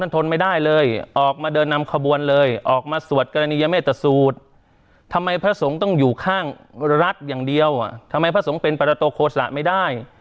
ต้องอยู่ข้างรัฐอย่างเดียวทำไมพระสงฆ์เป็นประโตโฆษะไม่ได้